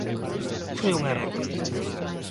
Foi un erro.